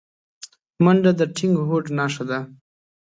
منډه د ټینګ هوډ نښه ده